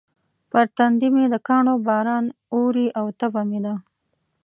پر تندي مې د کاڼو باران اوري او تبه مې ده.